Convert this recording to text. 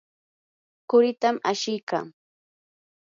quritam ashikaa.